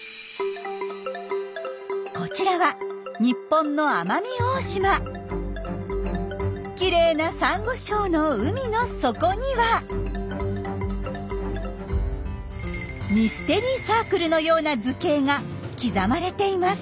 こちらは日本のきれいなサンゴ礁の海の底にはミステリーサークルのような図形が刻まれています。